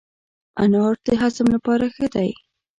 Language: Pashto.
انار د هضم لپاره ښه دی.